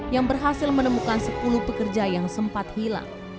yang berhasil menemukan sepuluh pekerja yang sempat hilang